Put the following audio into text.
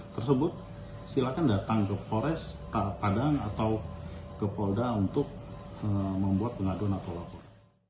tersebut silakan datang ke pores padang atau ke polda untuk membuat pengaduan atau lapor